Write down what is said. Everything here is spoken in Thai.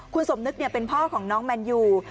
คุณสมนึกเป็นพ่อของน้องแมนยู